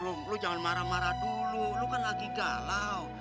lu jangan marah marah dulu lo kan lagi galau